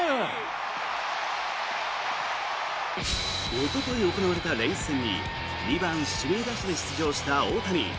おととい行われたレイズ戦に２番指名打者で出場した大谷。